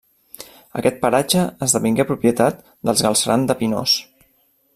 Aquest paratge esdevingué propietat dels Galceran de Pinós.